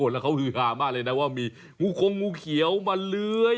แล้วเขาฮือฮามากเลยนะว่ามีงูคงงูเขียวมาเลื้อย